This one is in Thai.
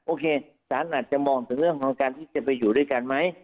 สารอาจจะมองถึงเรื่องของการที่จะไปอยู่ด้วยกันไหม